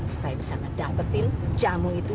supaya bisa mendapatkan jamu itu